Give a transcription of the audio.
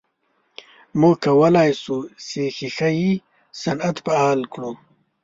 موږ کولای سو چې ښیښه یي صنعت فعال کړو.